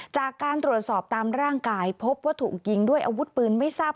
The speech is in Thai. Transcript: จากการตรวจสอบตามร่างกายพบว่าถูกยิงด้วยอาวุธปืนไม่ทราบ